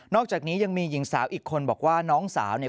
อกจากนี้ยังมีหญิงสาวอีกคนบอกว่าน้องสาวเนี่ย